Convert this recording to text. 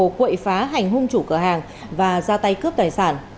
quậy phá hành hung chủ cửa hàng và ra tay cướp tài sản